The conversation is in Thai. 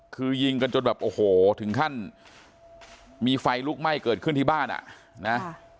คือยิงกันจนแบบโอ้โหถึงขั้นมีไฟลุกไหม้เกิดขึ้นที่บ้านอ่ะนะ